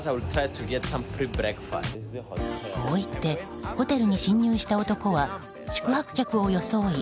こう言ってホテルに侵入した男は宿泊客を装い